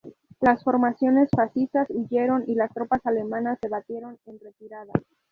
Las formaciones fascistas huyeron y las tropas alemanas se batieron en retirada.